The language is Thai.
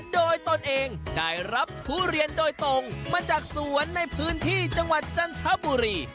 โดยตนเองได้รับทุเรียนโดยตรงมาจากสวนในพื้นที่จังหวัดจันทบุรี